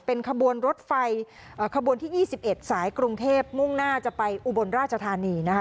เป็นขบวนรถไฟขบวนที่๒๑สายกรุงเทพมุ่งหน้าจะไปอุบลราชธานีนะคะ